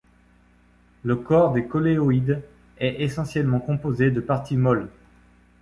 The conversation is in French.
Le corps des Coléoïdes est essentiellement composé de parties molles.